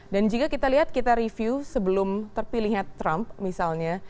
dan jika kita lihat kita review sebelum terpilihnya trump misalnya